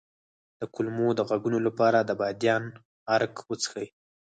د کولمو د غږونو لپاره د بادیان عرق وڅښئ